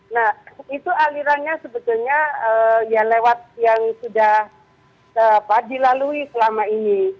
nah itu alirannya sebetulnya ya lewat yang sudah dilalui selama ini